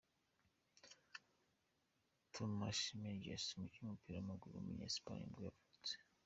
Tomás Mejías, umukinnyi w’umupira w’amaguru w’umunya Espagne nibwo yavutse.